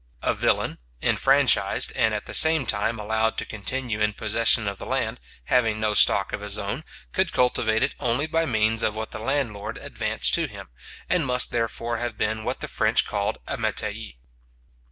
A villain, enfranchised, and at the same time allowed to continue in possession of the land, having no stock of his own, could cultivate it only by means of what the landlord advanced to him, and must therefore have been what the French call a metayer.